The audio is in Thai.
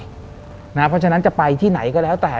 เพราะฉะนั้นจะไปที่ไหนก็แล้วแต่